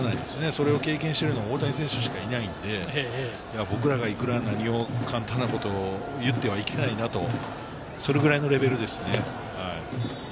それを経験してるのは大谷選手しかいないので、僕らがいくら、簡単なことを言ってはいけないなと、それぐらいのレベルですね。